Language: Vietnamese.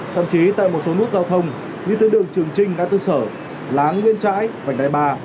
thậm chí tại một số nút giao thông như tư đường trường trinh nga tư sở láng nguyên trãi vành đài ba